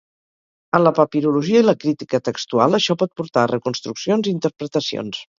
En la papirologia i la crítica textual això pot portar a reconstruccions i interpretacions.